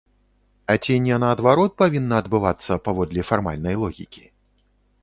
А ці не наадварот павінна адбывацца, паводле фармальнай логікі?